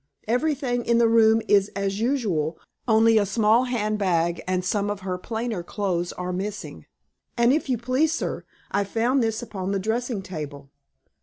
Everything in the room is as usual, only a small hand bag and some of her plainer clothing are missing. And, if you please, sir, I found this upon the dressing table."